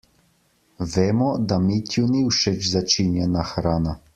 Vemo, da Mitju ni všeč začinjena hrana.